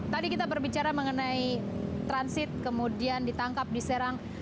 tadi kita berbicara mengenai transit kemudian ditangkap diserang